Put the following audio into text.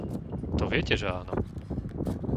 To viete, že áno!